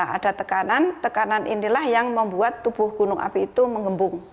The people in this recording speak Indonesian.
ada tekanan tekanan inilah yang membuat tubuh gunung api itu menggembung